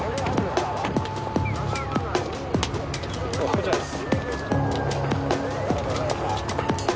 こちらです。